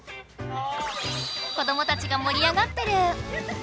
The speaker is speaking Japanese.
子どもたちがもり上がってる！